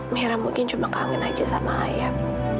mira mungkin cuma kangen aja sama ayah